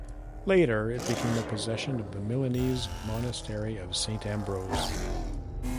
Later it became a possession of the Milanese monastery of Saint Ambrose.